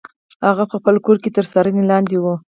هغه په خپل کور کې تر څارنې لاندې و.